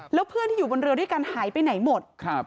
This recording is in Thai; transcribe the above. แล้วเพื่อนที่อยู่บนเรือด้วยกันหายไปไหนหมด